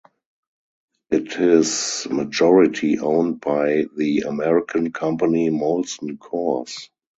It is majority owned by the American company Molson Coors.